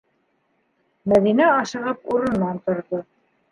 Мәҙинә ашығып урынынан торҙо: